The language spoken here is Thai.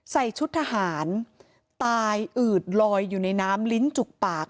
ใส่ชุดทหารตายอืดลอยอยู่ในน้ำลิ้นจุกปาก